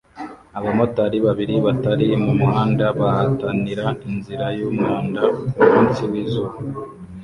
Abamotari babiri batari mumuhanda bahatanira inzira yumwanda kumunsi wizuba